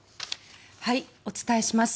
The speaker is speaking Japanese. お伝えします。